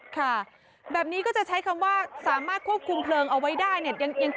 ค่ะแบบนี้ก็จะใช้คำว่าสามารถควบคุมเพลิงเอาไว้ได้เนี่ย